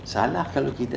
salah kalau kita